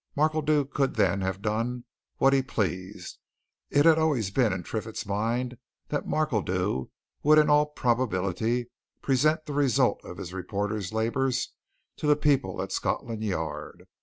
Markledew could then have done what he pleased; it had always been in Triffitt's mind that Markledew would in all probability present the result of his reporter's labours to the people at Scotland Yard.